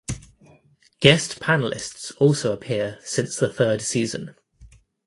Guest panelists also appear since the third season.